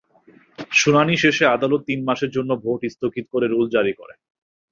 শুনানি শেষে আদালত তিন মাসের জন্য ভোট স্থগিত করে রুল জারি করেন।